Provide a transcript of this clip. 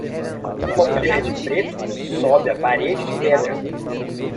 Uma mulher de preto sobe a parede de pedra.